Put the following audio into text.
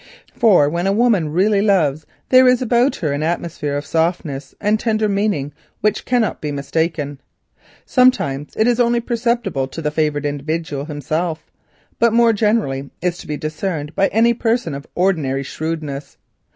For when a woman really loves a man there is about her an atmosphere of softness and tender meaning which can scarcely be mistaken. Sometimes it is only perceptible to the favoured individual himself, but more generally is to be discerned by any person of ordinary shrewdness.